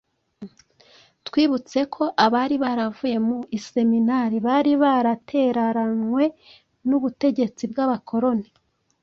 Twibutse ko abari baravuye mu iseminari bari barateraranywe n'ubutegetsi bw'Abakoloni